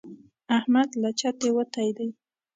احمد له چتې وتی دی.